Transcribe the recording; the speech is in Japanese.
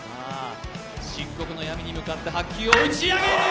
漆黒の闇に向かって白球を打ち上げる。